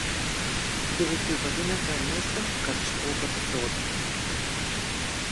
Бидејќи убавината е место каде што окото се одмора.